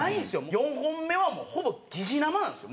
４本目はもう疑似生なんですよ。